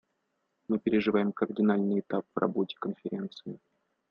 Мы переживаем кардинальный этап в работе Конференции.